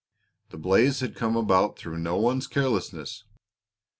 The blaze had come about through no one's carelessness.